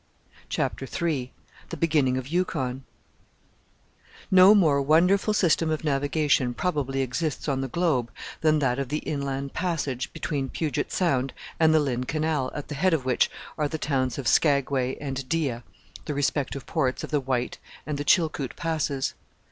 CHAPTER III THE BEGINNING OF YUKON No more wonderful system of navigation probably exists on the globe than that of the inland passage between Puget Sound and the Lynn Canal, at the head of which are the towns of Skagway and Dyea, the respective ports of the White and the Chilkoot Passes.